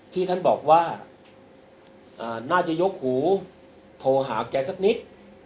ที่ท่านบอกว่าน่าจะยกหูโทรหาแกสักนิด